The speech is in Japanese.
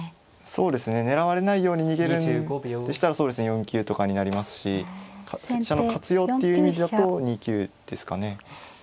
そうですね狙われないように逃げるんでしたらそうですね４九とかになりますし飛車の活用っていう意味だと２九ですかね。